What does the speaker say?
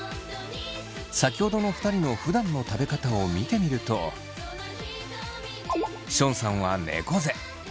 先ほどの２人のふだんの食べ方を見てみるとションさんは猫背。